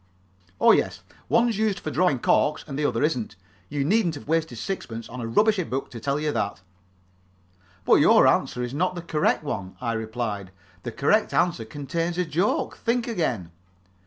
"Oh, yes! One's used for drawing corks, and the other isn't. You needn't have wasted sixpence on a rubbishy book to tell me that." "But your answer is not the correct one," I replied. "The correct answer contains a joke. Think again."